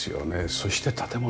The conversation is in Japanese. そして建物。